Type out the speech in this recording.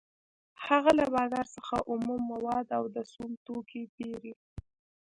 هغه له بازار څخه اومه مواد او د سون توکي پېري